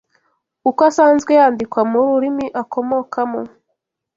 uko asanzwe yandikwa mu rurimi akomokamo